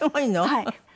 はい。